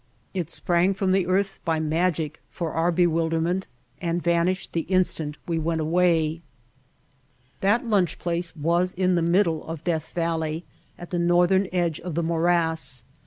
It sprang from the earth by magic for our The Burning Sands bewilderment and vanished the instant we went away. That lunch place was in the middle of Death Valley at the northern edge of the morass.